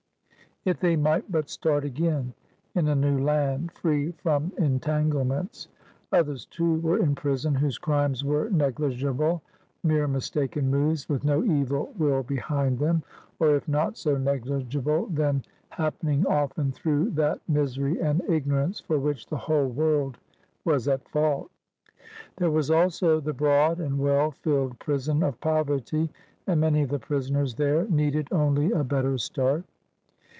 If they might but start again, in a new land, free from entanglements ! Others, too, were in prison, whose crimes were negligible, mere mistaken moves with no evil will behind them — or, if not so negligible, then hap pening often through that misery and ignorance for which the whole world was at fault. There was also the broad and well filled prison of poverty, and many of the prisoners there needed only a bet ter start.